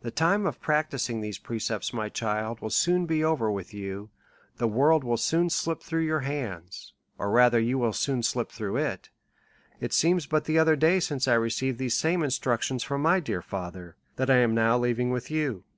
The time of practising these precepts, my child, will soon be over with you, the world will soon slip through your hands, or rather you will soon slip through it ; it seems but the other day since 1 receiv ed these same instructions from my dear fatlier, that I am now leaving with you.